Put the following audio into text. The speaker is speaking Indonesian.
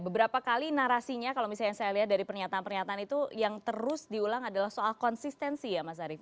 beberapa kali narasinya kalau misalnya saya lihat dari pernyataan pernyataan itu yang terus diulang adalah soal konsistensi ya mas arief